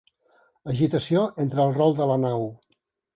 Agitació entre el rol de la nau.